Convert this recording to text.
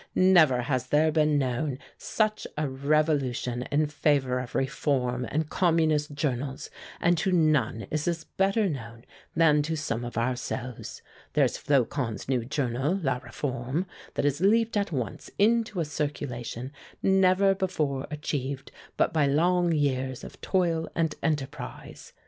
"Never has there been known such a revolution in favor of Reform and Communist journals, and to none is this better known than to some of ourselves. There's Flocon's new journal, 'La Réforme,' that has leaped at once into a circulation never before achieved but by long years of toil and enterprise.